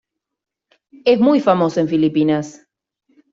Es muy famosa en Filipinas.